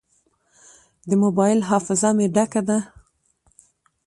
د موبایل حافظه مې ډکه ده.